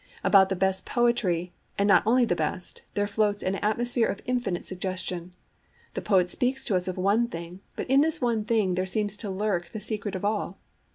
About the best poetry, and not only the best, there floats an atmosphere of infinite suggestion. The poet speaks to us of one thing, but in this one thing there seems to lurk the secret of all.